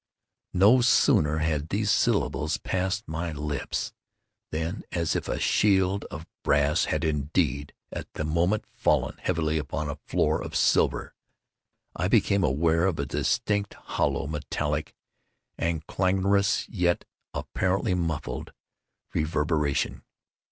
No sooner had these syllables passed my lips, than—as if a shield of brass had indeed, at the moment, fallen heavily upon a floor of silver—I became aware of a distinct, hollow, metallic, and clangorous, yet apparently muffled reverberation.